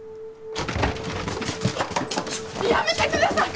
やめてください！